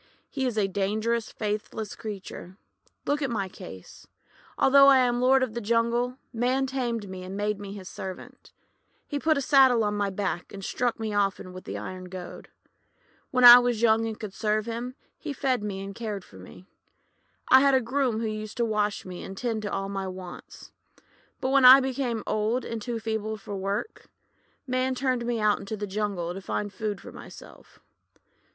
;<He is a dangerous, faithless creature. Look at my case. Although I am lord of the jungle, Man tamed me, and made me his servant. He put a saddle on my back, and struck me often with an iron goad. When I was young and could serve him, he fed me and cared for me. I had a groom who used to wash me and tend to all my wants. But when I became old and too feeble to work, Man turned me out into the jungle to find food for myself.